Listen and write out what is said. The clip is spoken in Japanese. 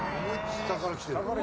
下からきてるね。